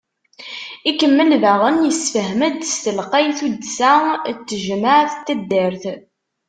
Ikemmel daɣen, yessefhem-d s telqay tuddsa n tejmeɛt n taddart.